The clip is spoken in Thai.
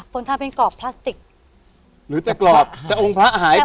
นทาเป็นกรอบพลาสติกหรือแต่กรอบแต่องค์พระหายไป